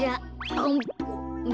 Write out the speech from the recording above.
あん。